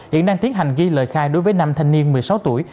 hiện đang tiến hành ghi lời khai đối với năm thanh niên một mươi sáu tuổi